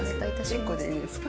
１個でいいですか？